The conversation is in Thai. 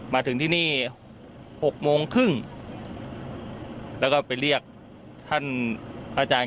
มาถึงที่นี่หกโมงครึ่งแล้วก็ไปเรียกท่านพระอาจารย์